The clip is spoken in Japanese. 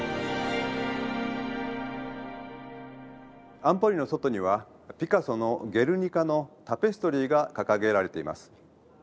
安保理の外にはピカソの「ゲルニカ」のタペストリーが掲げられています。